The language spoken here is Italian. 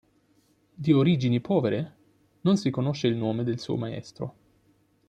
Di origini povere non si conosce il nome del suo maestro.